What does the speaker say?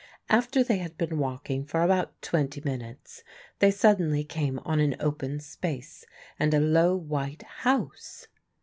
After they had been walking for about twenty minutes they suddenly came on an open space and a low white house.